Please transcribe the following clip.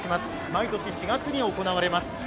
毎年４月に行われます。